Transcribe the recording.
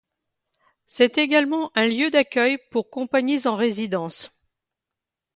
C'est également un lieu d'accueil pour compagnies en résidence.